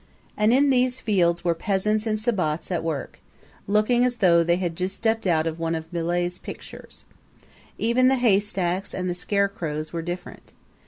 And in these fields were peasants in sabots at work, looking as though they had just stepped out of one of Millet's pictures. Even the haystacks and the scarecrows were different.